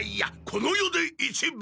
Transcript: この世で一番！